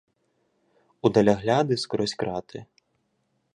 У далягляды скрозь краты.